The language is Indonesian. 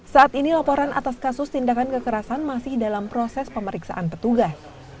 saat ini laporan atas kasus tindakan kekerasan masih dalam proses pemeriksaan petugas